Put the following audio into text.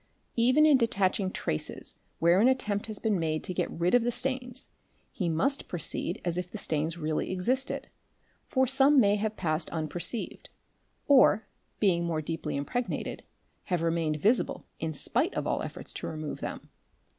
lHven in detaching traces where an attempt has been made to get rid of the stains, he must proceed as if the stains really existed, for some may have passed unperceived or, being more deeply impregnated, have remained visible in spite of all efforts to remove them.